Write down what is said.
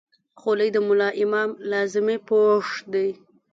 خولۍ د ملا امام لازمي پوښ دی.